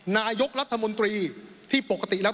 นายกรัฐมนตรีที่ปกติแล้ว